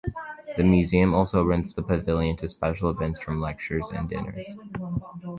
The museum also rents the pavilion to special events from lectures to dinners.